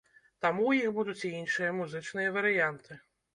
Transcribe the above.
Таму ў іх будуць і іншыя музычныя варыянты.